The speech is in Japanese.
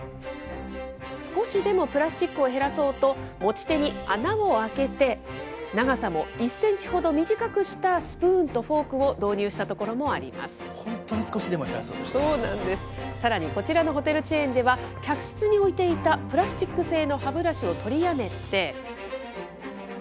少しでもプラスチックを減らそうと、持ち手に穴を開けて、長さも１センチほど短くしたスプーンとフォークを導入した所もあ本当に少しでも減らそうとしそうなんです、さらにこちらのホテルチェーンでは、客室に置いていたプラスチック製の歯ブラシを取りやめて。